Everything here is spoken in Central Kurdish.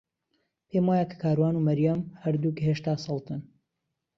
پێم وایە کە کاروان و مەریەم هەردووک هێشتا سەڵتن.